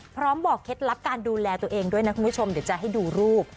บอกเคล็ดลับการดูแลตัวเองด้วยนะคุณผู้ชมเดี๋ยวจะให้ดูรูป